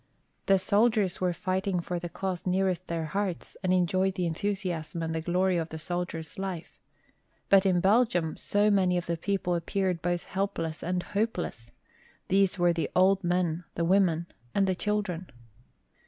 The soldiers were fighting for the cause nearest their hearts and enjoyed the enthusiasm and the glory of the soldier's life. But in Belgium so many of the people appeared both helpless and hopeless; these were the old men, the women and the children.